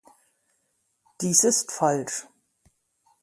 Dies ist falsch.